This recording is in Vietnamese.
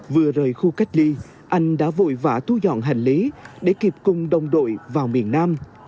vừa rời khu cách ly anh đã vội vã thu dọn hành lý để kịp cùng đồng đội vào miền nam